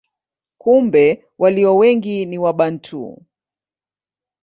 Kumbe walio wengi ni Wabantu.